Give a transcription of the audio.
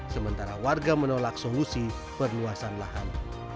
sementara warga menolak solusi perluasan lahan